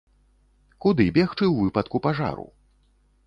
Куды бегчы ў выпадку пажару?